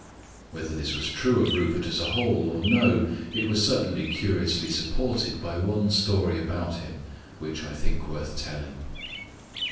Whether this was true of Rupert as a whole, or no, it was certainly curiously supported by one story about him which I think worth telling.